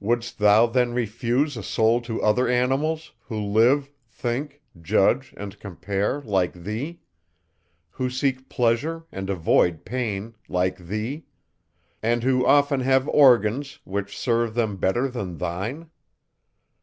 Wouldst thou then refuse a soul to other animals, who live, think, judge, and compare, like thee; who seek pleasure, and avoid pain, like thee; and who often have organs, which serve them better than thine?